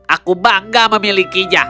aku bangga memilikinya